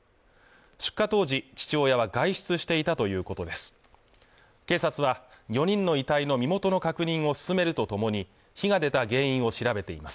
出火当時父親は外出していたということです